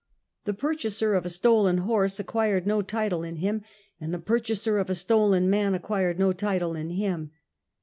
The purchaser of a stolen horse ac My Ceooked Telescope. 119 quired no title in him, and the purchaser of a stolen man acquired no title in him.